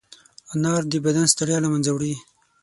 انار د بدن ستړیا له منځه وړي.